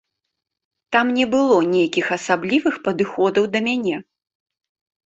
Там не было нейкіх асаблівых падыходаў да мяне.